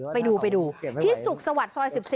ไปดูไปดูที่สุขสวัสดิ์ซอย๑๔